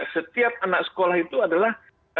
setiap anak sekolah itu adalah